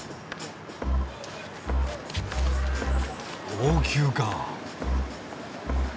王宮かあ。